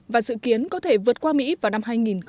và dự kiến có thể vượt qua mỹ vào năm hai nghìn hai mươi